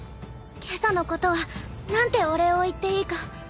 今朝のこと何てお礼を言っていいか。